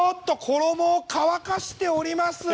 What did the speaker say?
衣を乾かしております。